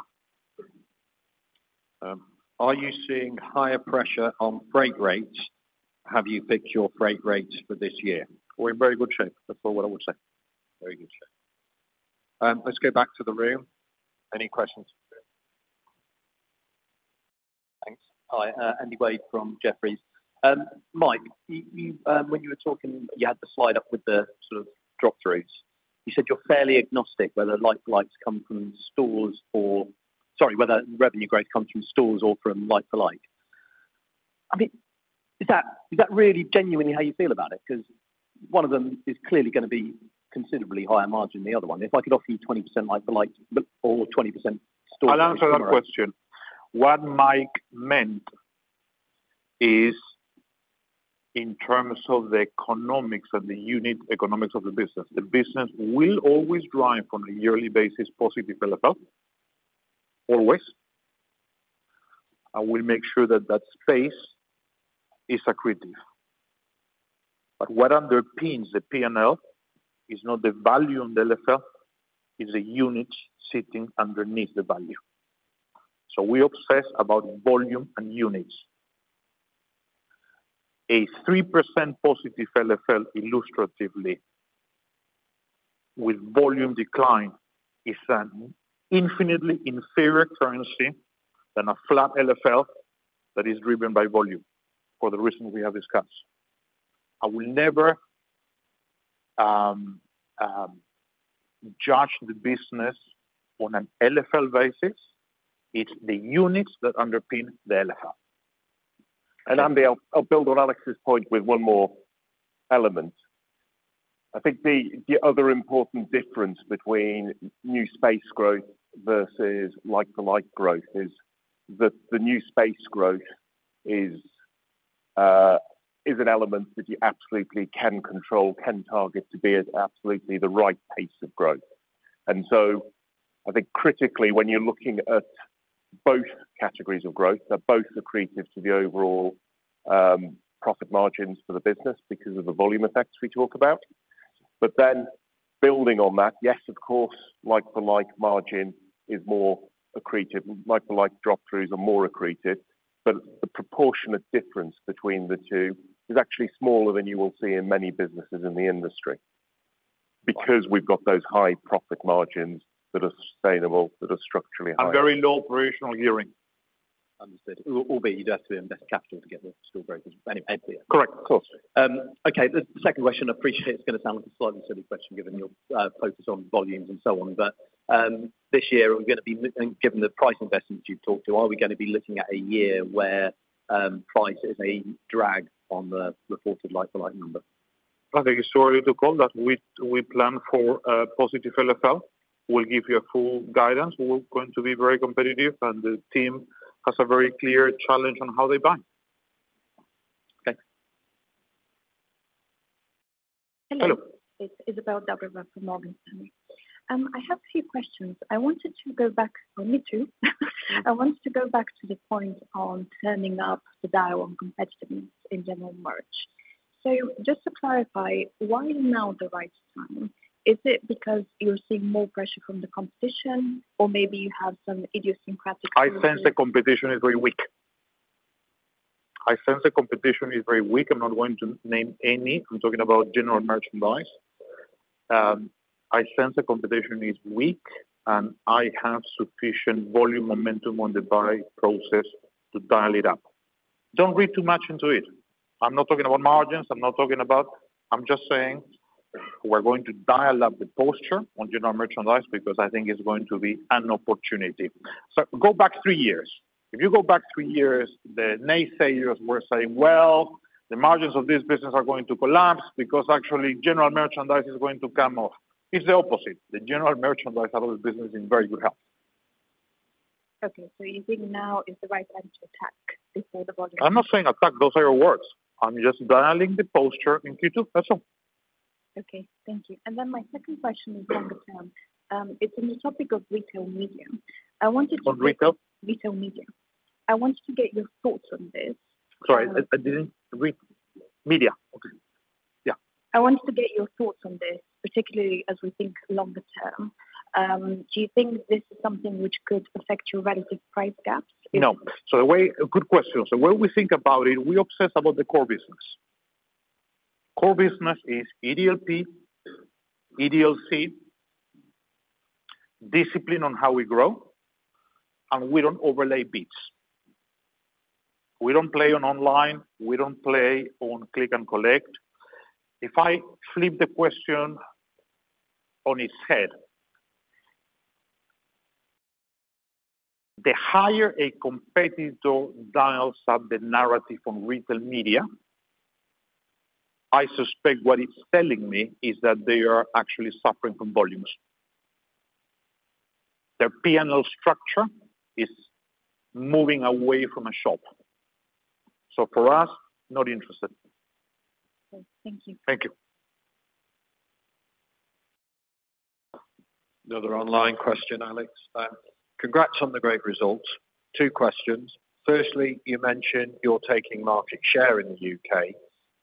Are you seeing higher pressure on freight rates? Have you picked your freight rates for this year? We're in very good shape. That's all what I would say. Very good shape. Let's go back to the room. Any questions? Thanks. Hi, Andy Wade from Jefferies. Mike, when you were talking, you had the slide up with the sort of drop throughs. You said you're fairly agnostic, whether like-for-likes come from stores or, sorry, whether revenue growth comes from stores or from like-for-like. I mean, is that, is that really genuinely how you feel about it? Because one of them is clearly gonna be considerably higher margin than the other one. If I could offer you 20% like-for-like, but or 20% store- I'll answer that question. What Mike meant is in terms of the economics and the unit economics of the business, the business will always drive on a yearly basis, positive developer, always. I will make sure that that space is accretive. But what underpins the P&L is not the value on the LFL, is the units sitting underneath the value. So we obsess about volume and units. A 3% positive LFL illustratively with volume decline is an infinitely inferior currency than a flat LFL that is driven by volume, for the reasons we have discussed. I will never judge the business on an LFL basis. It's the units that underpin the LFL. Andy, I'll build on Alex's point with one more element. I think the other important difference between new space growth versus like-for-like growth is that the new space growth is an element that you absolutely can control, can target to be at absolutely the right pace of growth. So I think critically, when you're looking at both categories of growth, they're both accretive to the overall profit margins for the business because of the volume effects we talk about. But then building on that, yes, of course, like-for-like margin is more accretive. Like-for-like drop throughs are more accretive, but the proportionate difference between the two is actually smaller than you will see in many businesses in the industry, because we've got those high profit margins that are sustainable, that are structurally high. I'm very low operational gearing. Understood. Albeit you'd have to invest capital to get the store open anyway, yeah. Correct. Of course. Okay, the second question, I appreciate it's gonna sound like a slightly silly question, given your focus on volumes and so on. But, this year, are we gonna be looking... Given the price investments you've talked to, are we gonna be looking at a year where price is a drag on the reported like-for-like number? I think it's too early to call that. We plan for a positive LFL. We'll give you a full guidance. We're going to be very competitive, and the team has a very clear challenge on how they buy. Thanks. Hello. It's Izabel Dobreva from Morgan Stanley. I have a few questions. I wanted to go back, me too. I wanted to go back to the point on turning up the dial on competitiveness in general merch. So just to clarify, why is now the right time? Is it because you're seeing more pressure from the competition, or maybe you have some idiosyncratic- I sense the competition is very weak. I sense the competition is very weak. I'm not going to name any. I'm talking about general merchandise. I sense the competition is weak, and I have sufficient volume momentum on the buy process to dial it up. Don't read too much into it. I'm not talking about margins. I'm not talking about... I'm just saying we're going to dial up the posture on general merchandise because I think it's going to be an opportunity. So go back three years. If you go back three years, the naysayers were saying, "Well, the margins of this business are going to collapse because actually general merchandise is going to come off." It's the opposite. The general merchandise out of the business is in very good health. Okay, so you think now is the right time to attack before the volume- I'm not saying attack. Those are your words. I'm just dialing the posture in Q2. That's all. Okay, thank you. And then my second question is longer term. It's on the topic of retail media. I wanted to- On retail? Retail media. I wanted to get your thoughts on this. Sorry, I didn't... Retail media. Okay. Yeah. I wanted to get your thoughts on this, particularly as we think longer term. Do you think this is something which could affect your relative price gaps? No. So the way... Good question. So when we think about it, we obsess about the core business. Core business is EDLP, EDLC—discipline on how we grow, and we don't overlay bets. We don't play on online, we don't play on click and collect. If I flip the question on its head, the higher a competitor dials up the narrative on retail media, I suspect what it's telling me is that they are actually suffering from volumes. Their PNL structure is moving away from a shop. So for us, not interested. Okay, thank you. Thank you. Another online question, Alex. Congrats on the great results. Two questions. Firstly, you mentioned you're taking market share in the U.K.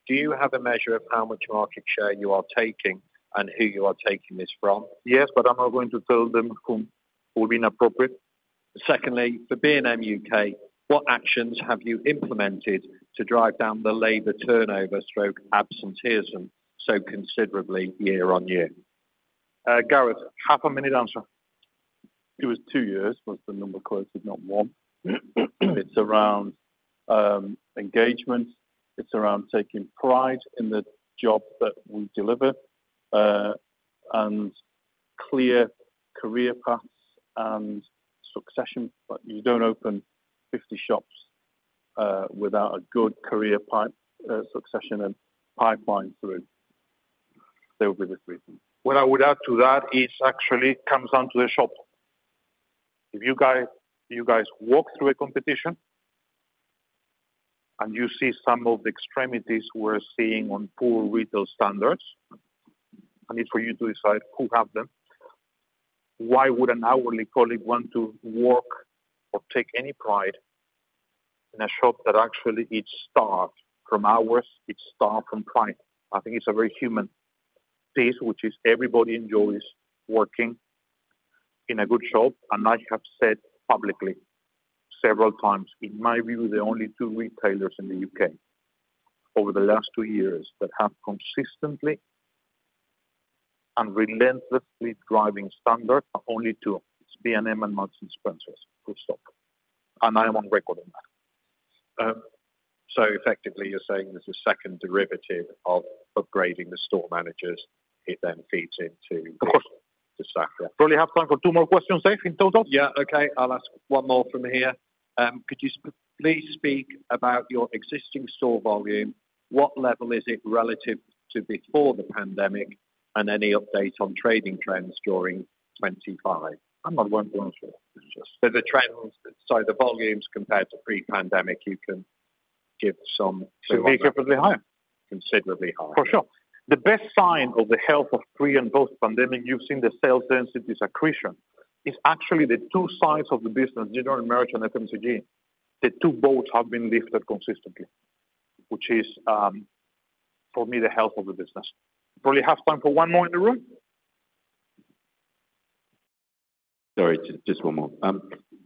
Do you have a measure of how much market share you are taking, and who you are taking this from? Yes, but I'm not going to tell them from. Would be inappropriate. Secondly, for B&M UK, what actions have you implemented to drive down the labor turnover/absenteeism so considerably year on year? Gareth, half a minute answer. It was two years was the number quoted, not one. It's around engagement, it's around taking pride in the job that we deliver, and clear career paths and succession. But you don't open 50 shops without a good career pipeline, succession and pipeline through. They will be the reason. What I would add to that is actually comes down to the shop. If you guys walk through a competition, and you see some of the extremities we're seeing on poor retail standards, and it's for you to decide who have them, why would an hourly colleague want to work or take any pride in a shop that actually it's staffed from hours, it's staffed from client? I think it's a very human piece, which is everybody enjoys working in a good shop. And I have said publicly, several times, in my view, the only two retailers in the U.K. over the last two years that have consistently and relentlessly driving standard are only two, it's B&M and Marks & Spencer, full stop. And I am on record on that. So effectively, you're saying there's a second derivative of upgrading the store managers. It then feeds into- Of course the staff there. Probably have time for two more questions, Dave. Can we close off? Yeah, okay. I'll ask one more from here. Could you please speak about your existing store volume? What level is it relative to before the pandemic? And any update on trading trends during 25? I'm not going to answer. It's just- So the trends, sorry, the volumes compared to pre-pandemic, you can give some- Considerably higher. Considerably higher. For sure. The best sign of the health of pre and post-pandemic using the sales density accretion, is actually the two sides of the business, general merchandise and FMCG. The two boats have been lifted consistently, which is, for me, the health of the business. Probably have time for one more in the room? Sorry, just one more.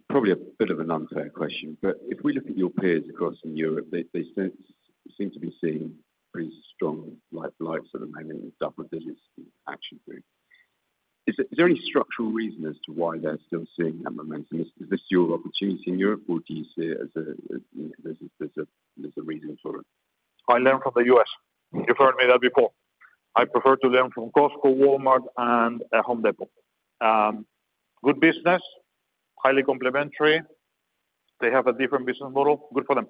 Probably a bit of an unfair question, but if we look at your peers across in Europe, they seem to be seeing pretty strong like, sort of mainly double digits Action Group. Is there any structural reason as to why they're still seeing that momentum? Is this your opportunity in Europe, or do you see it as there's a reason for it? I learned from the U.S., you've heard me that before. I prefer to learn from Costco, Walmart, and Home Depot. Good business, highly complementary. They have a different business model. Good for them.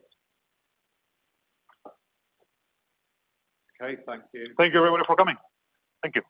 Okay, thank you. Thank you very much for coming. Thank you.